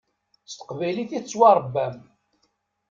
S teqbaylit i tettwaṛebbam.